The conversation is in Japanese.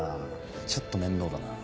ちょっと面倒だな。